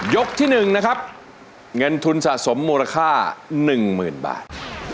ยกที่หนึ่งนะครับเงินทุนสะสมมูลค่าหนึ่งหมื่นบาท